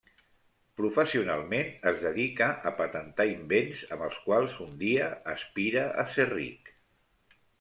Professionalment, es dedica a patentar invents amb els quals un dia aspira a ser ric.